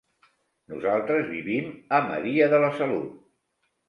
Nosaltres vivim a Maria de la Salut.